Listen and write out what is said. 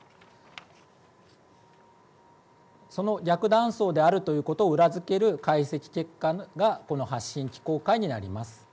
その逆断層であるということを裏付ける解析結果がこの発震機構解になります。